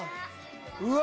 うわ！